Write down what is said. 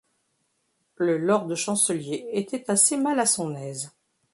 Le lord-chancelier était assez mal à son aise.